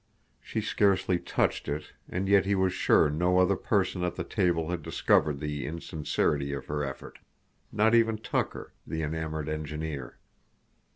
She scarcely touched it, and yet he was sure no other person at the table had discovered the insincerity of her effort, not even Tucker, the enamored engineer.